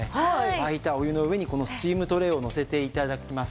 沸いたお湯の上にこのスチームトレーをのせて頂きます。